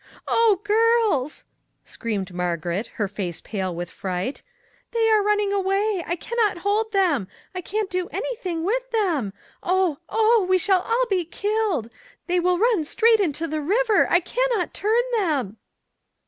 " Oh, girls !" screamed Margaret, her face 234 IF WE ONLY HADN'T " pale with fright ;" they are running away ; I can not hold them. I can't do anything with them! Oh! oh! we shall all be killed. They will run right straight into the river; I can not turn them